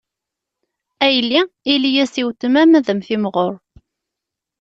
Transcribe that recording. A yelli, ili-as i weltma-m, ad am-timɣur.